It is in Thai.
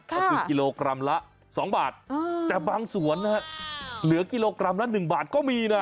ก็คือกิโลกรัมละ๒บาทแต่บางส่วนนะฮะเหลือกิโลกรัมละ๑บาทก็มีนะ